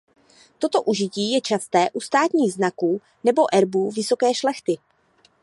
Toto užití je časté u státních znaků nebo erbů vysoké šlechty.